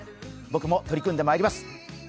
僕も取り組んでまいります。